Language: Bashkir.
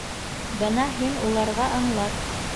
— Бына һин уларға аңлат...